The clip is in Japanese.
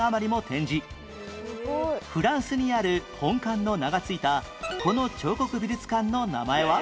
フランスにある本館の名が付いたこの彫刻美術館の名前は？